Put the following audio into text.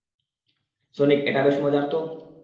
Sonic, এটা বেশ মজার তো!